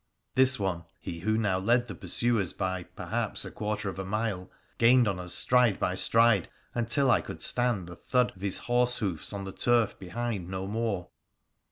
This one, he who now led the pursuers by, perhaps, a quarter of a mile, gained on us stride by stride, until I could stand the thud of his horsehoofs on the turf behind no more.